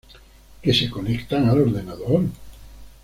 Que se conectan al ordenador.